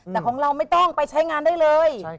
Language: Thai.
แต่ของเราไม่ต้องไปใช้งานได้เลย